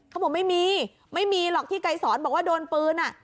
เขาบอกไม่มีไม่มีหรอกที่ไกรสอนบอกว่าโดนปืนอ่ะ